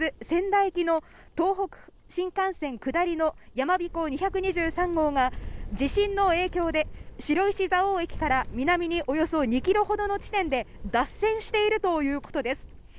仙台行きの東北新幹線下りのやまびこ２２３号が地震の影響で白石蔵王駅から南におよそ２キロほどの地点で脱線しているということです。